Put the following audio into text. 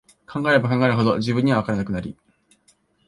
考えれば考えるほど、自分には、わからなくなり、